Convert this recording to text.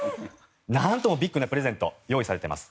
なんともビッグなプレゼントが用意されています。